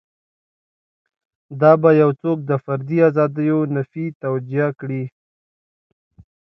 دا به یو څوک د فردي ازادیو نفي توجیه کړي.